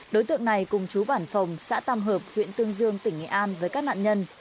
đối tượng này cùng chú bản phòng xã tam hợp huyện tương dương tỉnh nghệ an với các nạn nhân